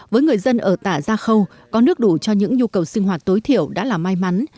với người dân ở tà gia khâu có nước đủ cho những nhu cầu sinh hoạt tối thiểu đã là may mắn